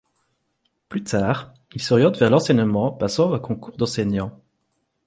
Plus tard, il s'oriente vers l'enseignement en passant un concours d'enseignant.